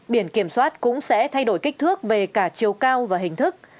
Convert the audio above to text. biển kiểm soát cũng sẽ thay đổi kích thước về cả chiều cao và hình thức